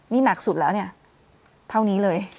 นี่หนักสุดเท่านี้เลย